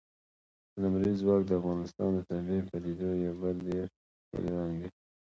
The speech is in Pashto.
لمریز ځواک د افغانستان د طبیعي پدیدو یو بل ډېر ښکلی رنګ دی.